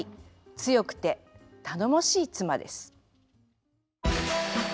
強くて頼もしい妻です。